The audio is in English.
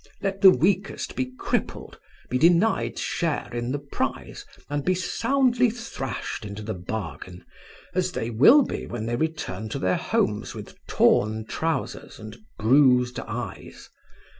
"Let the weakest be crippled, be denied share in the prize, and be soundly thrashed into the bargain, as they will be when they return to their homes with torn trousers and bruised eyes.